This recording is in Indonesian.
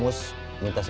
itu seperti punc adapted